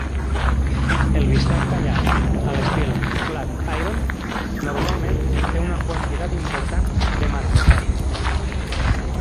El bistec tallat a l'estil "flat iron" normalment té una quantitat important de marbrejat.